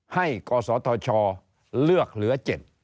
ให้กสทชเลือกเหลือ๗